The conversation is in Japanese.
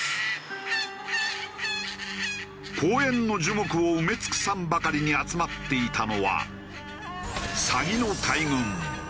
公園の樹木を埋め尽くさんばかりに集まっていたのは。